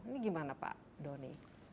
ini gimana pak doni